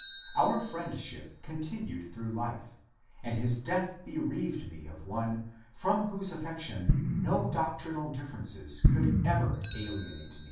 Our friendship continued through life, and his death bereaved me of one from whose affection no doctrinal differences could ever alienate me.